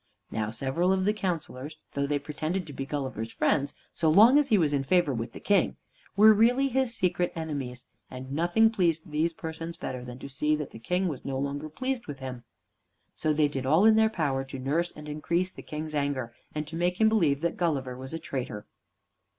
Now, several of the councilors, though they pretended to be Gulliver's friends so long as he was in favor with the King, were really his secret enemies, and nothing pleased these persons better than to see that the King was no longer pleased with him. So they did all in their power to nurse and increase the King's anger, and to make him believe that Gulliver was a traitor.